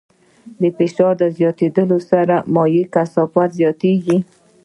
د فشار له زیاتېدو سره د مایع کثافت زیاتېږي.